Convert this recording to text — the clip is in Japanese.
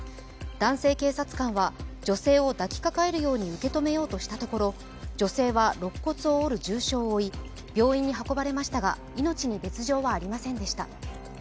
男性警察官は女性を抱きかかえるように受け止めようとしたところ、女性はろっ骨を折る重傷を負い、病院に運ばれましたが、命に別状はありませんでした。